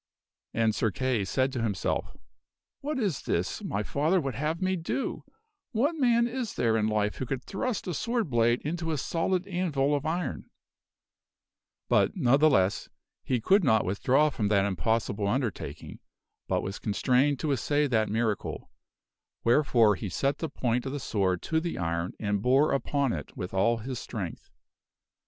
And Sir Kay said to himself, " What is this my father would have me do ! What man is there in life who could thrust a sword blade into a solid anvil of iron?" But, ne'theless, he could not withdraw from that impossible undertaking:, but was con Str Kay assays ' to put back the strained to assay that miracle, wherefore he set the point of sword but fail t k e swor( j to ^ j ron an( j bore upon it with ^ fa s strength.